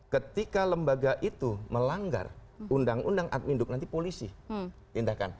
ketika lembaga itu melanggar undang undang admin duk nanti polisi tindakan